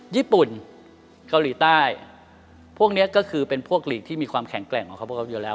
ญี่ปุ่นเกาหลีใต้พวกนี้ก็คือเป็นพวกหลีกที่มีความแข็งแกร่งของเขาพวกเขาอยู่แล้ว